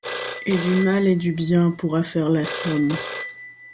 Et du mal et du bien pourra faire la somme